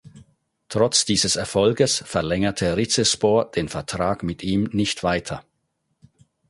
Trotz dieses Erfolges verlängerte Rizespor den Vertrag mit ihm nicht weiter.